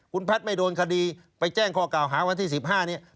คุณแพทย์ไม่โดนคดีไปแจ้งข้อกล่าวหาวันที่๑๕นี้